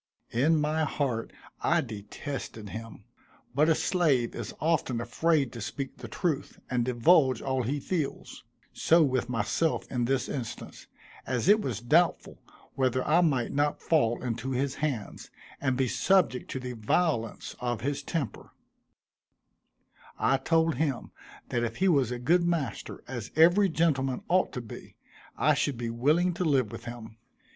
In my heart I detested him; but a slave is often afraid to speak the truth, and divulge all he feels; so with myself in this instance, as it was doubtful whether I might not fall into his hands, and be subject to the violence of his temper, I told him that if he was a good master, as every gentleman ought to be, I should be willing to live with him.